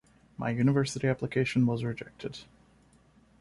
My university application was rejected.